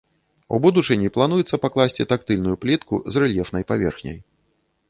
У будучыні плануецца пакласці тактыльную плітку з рэльефнай паверхняй.